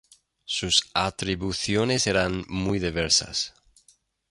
Sus atribuciones eran muy diversas.